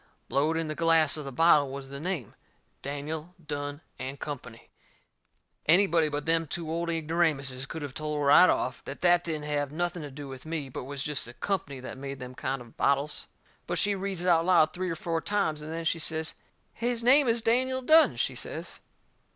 Blowed in the glass of the bottle was the name: "Daniel, Dunne and Company." Anybody but them two old ignoramuses could of told right off that that didn't have nothing to do with me, but was jest the company that made them kind of bottles. But she reads it out loud three or four times, and then she says: "His name is Daniel Dunne," she says.